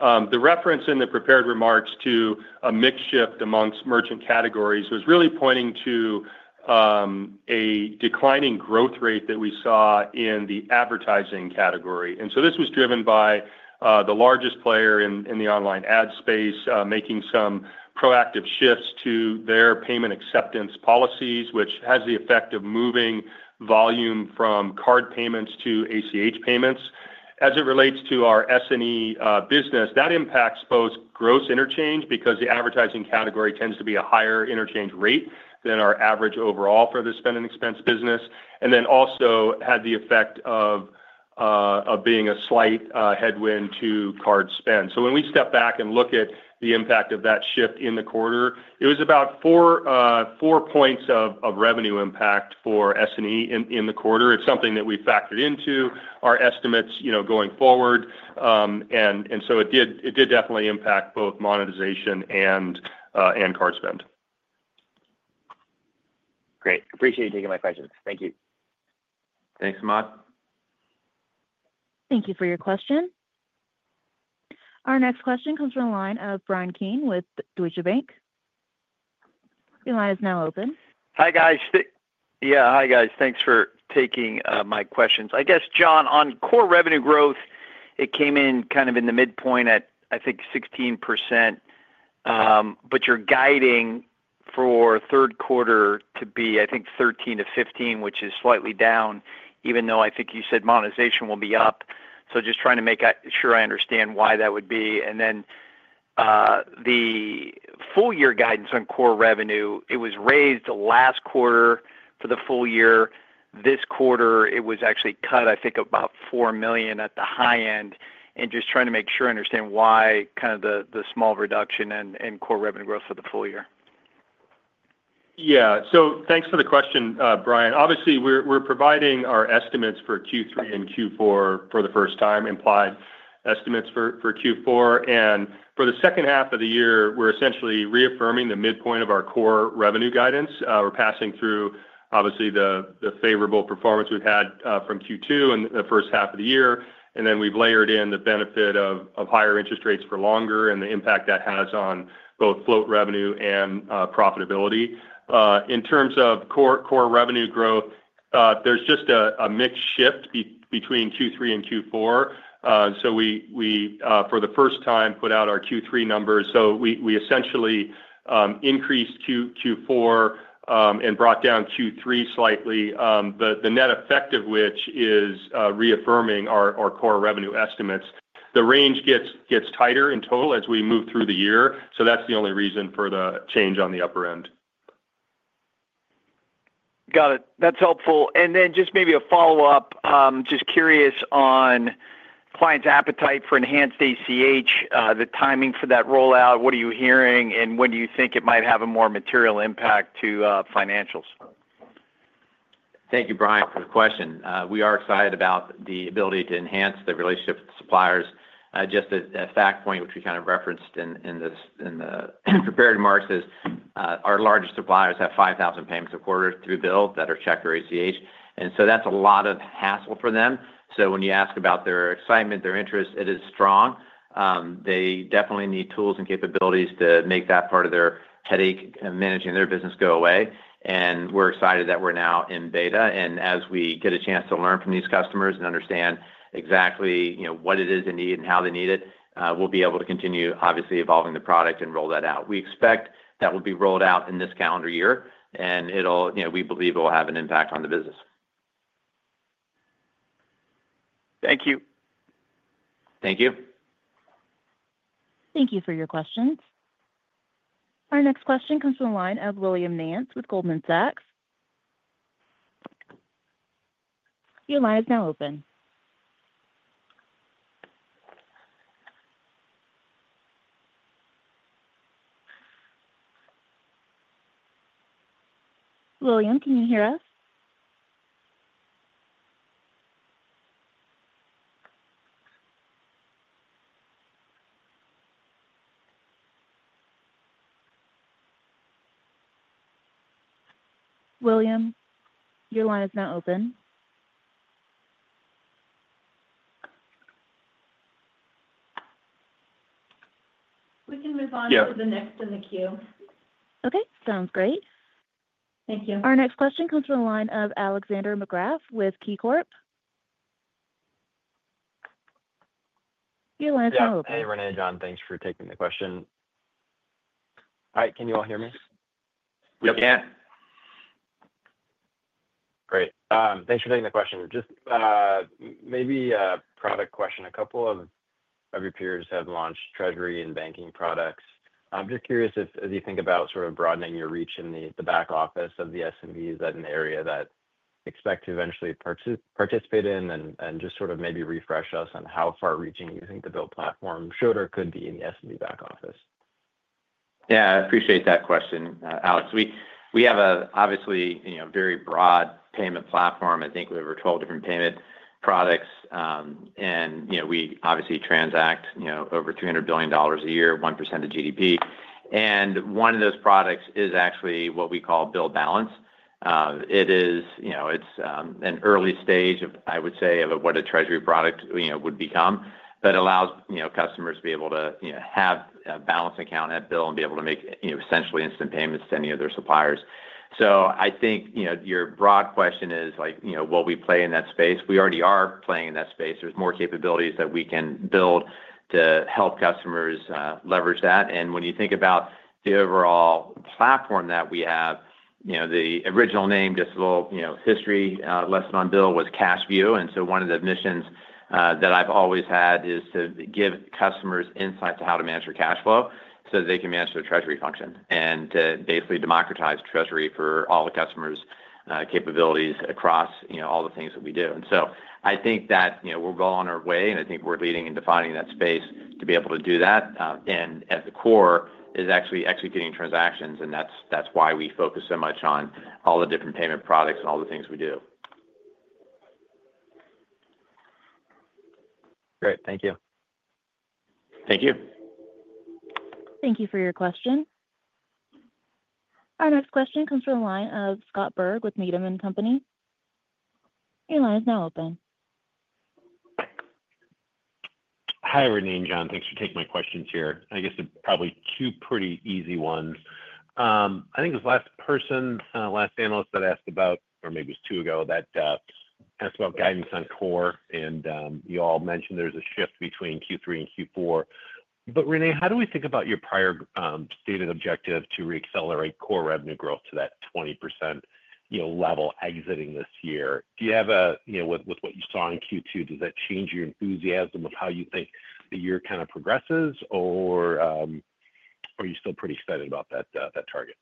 The reference in the prepared remarks to a mix shift amongst merchant categories was really pointing to a declining growth rate that we saw in the advertising category. And so this was driven by the largest player in the online ad space making some proactive shifts to their payment acceptance policies, which has the effect of moving volume from card payments to ACH payments. As it relates to our S&E business, that impacts both gross interchange because the advertising category tends to be a higher interchange rate than our average overall for the Spend & Expense business, and then also had the effect of being a slight headwind to card spend. So, when we step back and look at the impact of that shift in the quarter, it was about four points of revenue impact for S&E in the quarter. It's something that we factored into our estimates going forward. And so it did definitely impact both monetization and card spend. Great. Appreciate you taking my questions. Thank you. Thanks, Matt. Thank you for your question. Our next question comes from the line of Bryan Keane with Deutsche Bank. Your line is now open. Hi, guys. Yeah. Hi, guys. Thanks for taking my questions. I guess, John, on core revenue growth, it came in kind of in the midpoint at, I think, 16%. But you're guiding for Q3 to be, I think, 13%-15%, which is slightly down, even though I think you said monetization will be up. So just trying to make sure I understand why that would be. And then the full-year guidance on core revenue, it was raised the last quarter for the full year. This quarter, it was actually cut, I think, about $4 million at the high end. And just trying to make sure I understand why kind of the small reduction in core revenue growth for the full year. Yeah. So thanks for the question, Bryan. Obviously, we're providing our estimates for Q3 and Q4 for the first time, implied estimates for Q4. And for the second half of the year, we're essentially reaffirming the midpoint of our core revenue guidance. We're passing through, obviously, the favorable performance we've had from Q2 and the first half of the year. And then we've layered in the benefit of higher interest rates for longer and the impact that has on both float revenue and profitability. In terms of core revenue growth, there's just a mixed shift between Q3 and Q4. So we, for the first time, put out our Q3 numbers. So we essentially increased Q4 and brought down Q3 slightly, the net effect of which is reaffirming our core revenue estimates. The range gets tighter in total as we move through the year. So that's the only reason for the change on the upper end. Got it. That's helpful. And then just maybe a follow-up, just curious on clients' appetite for enhanced ACH, the timing for that rollout, what are you hearing, and when do you think it might have a more material impact to financials? Thank you, Bryan, for the question. We are excited about the ability to enhance the relationship with suppliers. Just a fact point, which we kind of referenced in the prepared remarks, is our largest suppliers have 5,000 payments a quarter to BILL that are check or ACH. And so that's a lot of hassle for them. So when you ask about their excitement, their interest, it is strong. They definitely need tools and capabilities to make that part of their headache managing their business go away. And we're excited that we're now in beta. As we get a chance to learn from these customers and understand exactly what it is they need and how they need it, we'll be able to continue, obviously, evolving the product and roll that out. We expect that will be rolled out in this calendar year. We believe it will have an impact on the business. Thank you. Thank you. Thank you for your questions. Our next question comes from the line of William Nance with Goldman Sachs. Your line is now open. William, can you hear us? William, your line is now open. We can move on to the next in the queue. Okay. Sounds great. Thank you. Our next question comes from the line of Alex Markgraff with KeyCorp. Your line is now open. Hey, René and John. Thanks for taking the question. All right. Can you all hear me? Yep. We can. Great. Thanks for taking the question. Just maybe a product question. A couple of your peers have launched treasury and banking products. I'm just curious as you think about sort of broadening your reach in the back office of the SMB, is that an area that you expect to eventually participate in and just sort of maybe refresh us on how far-reaching you think the BILL platform should or could be in the SMB back office? Yeah. I appreciate that question, Alex. We have obviously a very broad payment platform. I think we have over 12 different payment products. And we obviously transact over $300 billion a year, 1% of GDP. And one of those products is actually what we call BILL Balance. It's an early stage, I would say, of what a treasury product would become, but allows customers to be able to have a balance account at BILL and be able to make essentially instant payments to any of their suppliers. So I think your broad question is, will we play in that space? We already are playing in that space. There's more capabilities that we can build to help customers leverage that. And when you think about the overall platform that we have, the original name, just a little history lesson on BILL, was CashView. And so one of the missions that I've always had is to give customers insight to how to manage their cash flow so that they can manage their treasury function and to basically democratize treasury for all the customers' capabilities across all the things that we do. And so I think that we're well on our way, and I think we're leading and defining that space to be able to do that. And at the core is actually executing transactions, and that's why we focus so much on all the different payment products and all the things we do. Great. Thank you. Thank you. Thank you for your question. Our next question comes from the line of Scott Berg with Needham & Company. Your line is now open. Hi, René and John. Thanks for taking my questions here. I guess probably two pretty easy ones. I think this last person, last analyst that asked about, or maybe it was two ago that asked about guidance on core, and you all mentioned there's a shift between Q3 and Q4. But René, how do we think about your prior stated objective to reaccelerate core revenue growth to that 20% level exiting this year? Do you have a view with what you saw in Q2? Does that change your enthusiasm of how you think the year kind of progresses, or are you still pretty excited about that target?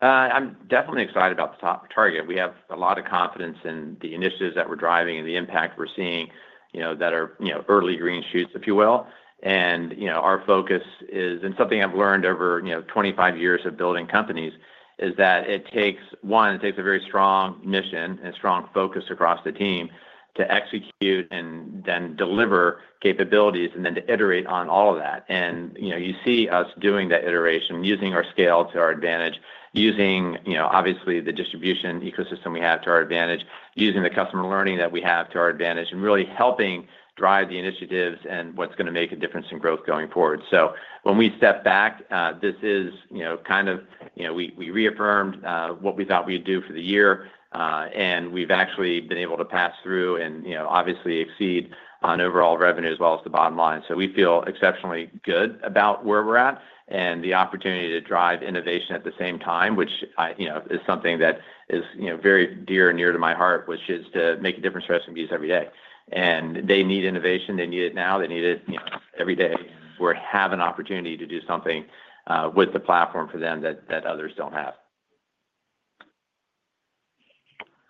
I'm definitely excited about the target. We have a lot of confidence in the initiatives that we're driving and the impact we're seeing that are early green shoots, if you will. Our focus is, and something I've learned over 25 years of building companies, that it takes, one, it takes a very strong mission and strong focus across the team to execute and then deliver capabilities and then to iterate on all of that. And you see us doing that iteration, using our scale to our advantage, using obviously the distribution ecosystem we have to our advantage, using the customer learning that we have to our advantage, and really helping drive the initiatives and what's going to make a difference in growth going forward. So when we step back, this is kind of we reaffirmed what we thought we would do for the year, and we've actually been able to pass through and obviously exceed on overall revenue as well as the bottom line. So we feel exceptionally good about where we're at and the opportunity to drive innovation at the same time, which is something that is very dear and near to my heart, which is to make a difference for SMBs every day. And they need innovation. They need it now. They need it every day. We're having an opportunity to do something with the platform for them that others don't have.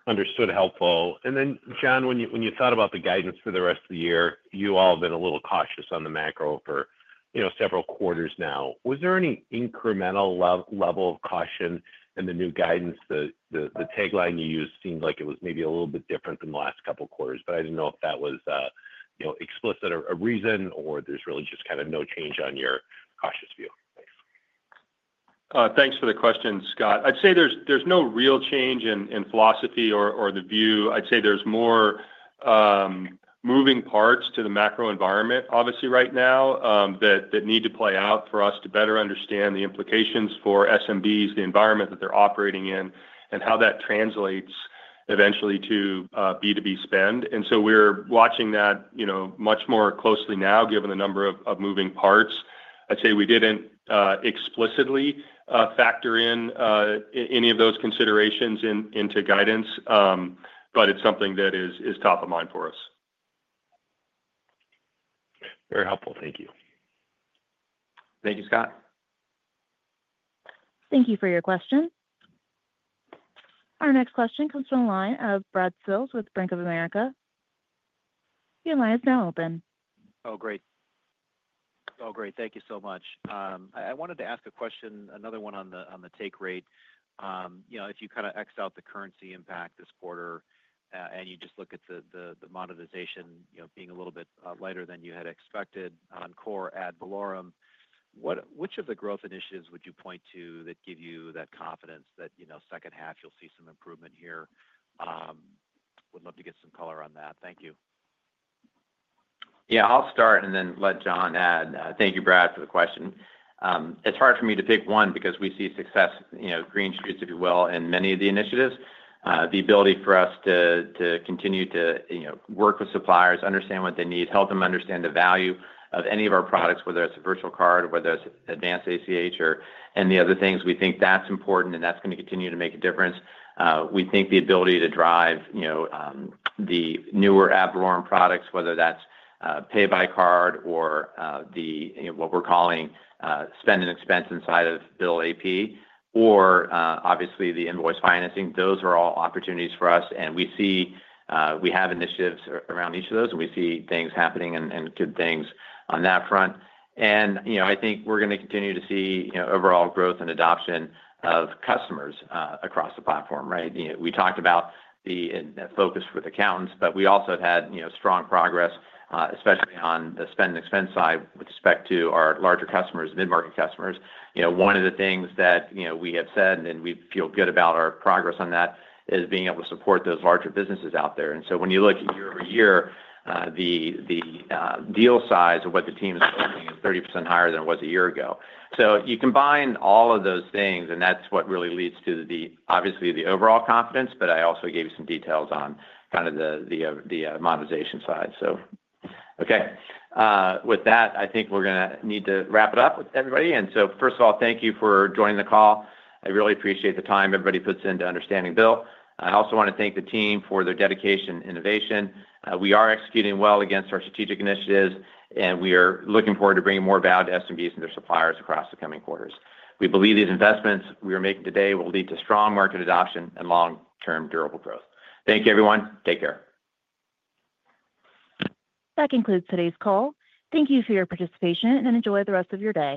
Understood. Helpful. And then, John, when you thought about the guidance for the rest of the year, you all have been a little cautious on the macro for several quarters now. Was there any incremental level of caution in the new guidance? The tagline you used seemed like it was maybe a little bit different than the last couple of quarters, but I didn't know if that was explicit or a reason, or there's really just kind of no change on your cautious view. Thanks. Thanks for the question, Scott. I'd say there's no real change in philosophy or the view. I'd say there's more moving parts to the macro environment, obviously, right now that need to play out for us to better understand the implications for SMBs, the environment that they're operating in, and how that translates eventually to B2B spend. And so we're watching that much more closely now, given the number of moving parts. I'd say we didn't explicitly factor in any of those considerations into guidance, but it's something that is top of mind for us. Very helpful. Thank you. Thank you, Scott. Thank you for your question. Our next question comes from the line of Brad Sills with Bank of America. Your line is now open. Oh, great. Oh, great. Thank you so much. I wanted to ask a question, another one on the take rate. If you kind of X out the currency impact this quarter and you just look at the monetization being a little bit lighter than you had expected on core ad valorem, which of the growth initiatives would you point to that give you that confidence that second half you'll see some improvement here? Would love to get some color on that. Thank you. Yeah. I'll start and then let John add. Thank you, Brad, for the question. It's hard for me to pick one because we see success, green shoots, if you will, in many of the initiatives. The ability for us to continue to work with suppliers, understand what they need, help them understand the value of any of our products, whether it's a Virtual Card, whether it's Advanced ACH, or any other things, we think that's important and that's going to continue to make a difference. We think the ability to drive the newer ad valorem products, whether that's Pay By Card or what we're calling Spend & Expense inside of BILL AP, or obviously the Invoice Financing, those are all opportunities for us. And we see we have initiatives around each of those, and we see things happening and good things on that front. And I think we're going to continue to see overall growth and adoption of customers across the platform, right? We talked about the focus with accountants, but we also have had strong progress, especially on the Spend & Expense side with respect to our larger customers, mid-market customers. One of the things that we have said, and we feel good about our progress on that, is being able to support those larger businesses out there. And so when you look year-over-year, the deal size of what the team is working is 30% higher than it was a year ago. So, you combine all of those things, and that's what really leads to, obviously, the overall confidence, but I also gave you some details on kind of the monetization side, so. Okay. With that, I think we're going to need to wrap it up with everybody. And so first of all, thank you for joining the call. I really appreciate the time everybody puts into understanding BILL. I also want to thank the team for their dedication and innovation. We are executing well against our strategic initiatives, and we are looking forward to bringing more value to SMBs and their suppliers across the coming quarters. We believe these investments we are making today will lead to strong market adoption and long-term durable growth. Thank you, everyone. Take care. That concludes today's call. Thank you for your participation and enjoy the rest of your day.